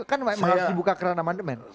kan emang harus dibuka kerana mandir men